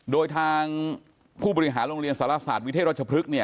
โดยทางผู้บริหารโรงเรียนสารศาสตร์วิเทศรัชพฤกษ์เนี่ย